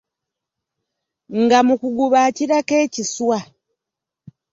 Nga mu kuguba akirako ekiswa.